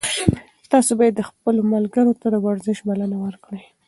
تاسي باید خپلو ملګرو ته د ورزش بلنه ورکړئ.